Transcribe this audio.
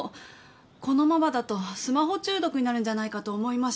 このままだとスマホ中毒になるんじゃないかと思いまして。